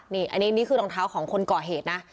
นี่อันนี้คือรองเท้าของคนก่อเหตุนะ